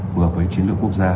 phù hợp với chiến lược quốc gia